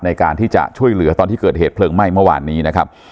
ในการที่จะช่วยเหลือตอนที่เกิดเหตุเพลิงไหม้เมื่อวานนี้นะครับ